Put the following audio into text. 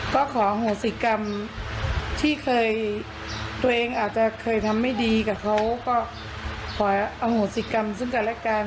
ก็ขอโหสิกรรมที่เคยตัวเองอาจจะเคยทำไม่ดีกับเขาก็ขออโหสิกรรมซึ่งกันและกัน